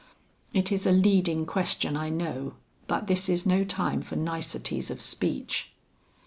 It is a leading question I know, but this is no time for niceties of speech."